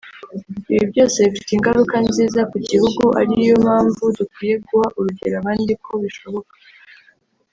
Ibi byose bifite ingaruka nziza ku gihugu ariyo mpamvu dukwiye guha urugero abandi ko bishoboka